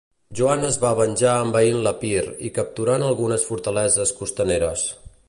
Joan es va venjar envaint l'Epir i capturant algunes fortaleses costaneres.